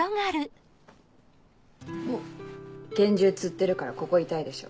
拳銃つってるからここ痛いでしょ。